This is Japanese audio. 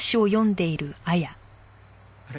あれ？